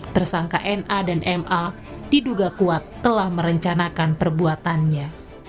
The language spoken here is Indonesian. tersangka na dan ma diduga kuat telah merencanakan perbuatannya